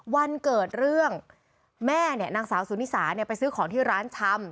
วันเกิดเรื่องแม่เนี่ยนางสาวสุนิสาไปซื้อของที่ร้านชำ